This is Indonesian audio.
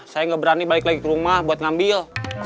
saya nggak berani balik lagi ke rumah buat ngambil